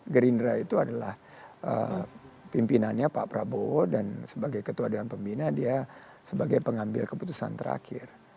gerindra itu adalah pimpinannya pak prabowo dan sebagai ketua dewan pembina dia sebagai pengambil keputusan terakhir